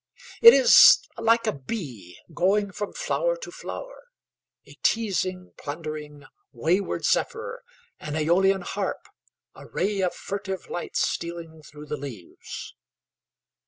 It is like a bee going from flower to flower, a teasing, plundering, wayward zephyr, an aeolian harp, a ray of furtive light stealing through the leaves.